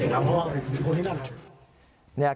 เพราะว่าเป็นคนที่นั่นครับ